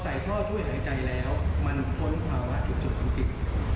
พอใส่ท่อช่วยหายใจแล้วมันพ้นภาวะถูกเฉินผู้ผิด